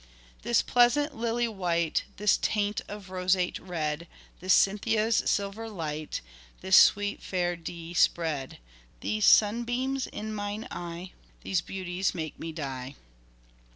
This pleasant Lily white, This taint of roseate red, This Cynthia's silver light, This sweet fair Dea spred, These sunbeams in mine eye, These beauties make me die."